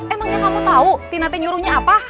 emangnya kamu tau tina tin jurunya apa